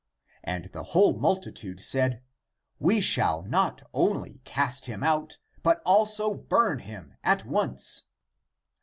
" And the whole multitude said, " We shall not only cast him out, but also burn him at once."